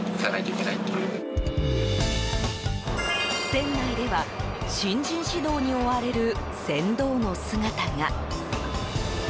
船内では新人指導に追われる船頭の姿が。